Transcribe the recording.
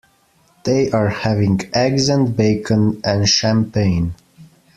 They are having eggs and bacon and champagne.